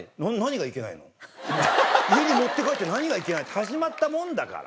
「家に持って帰って何がいけない？」って始まったもんだから。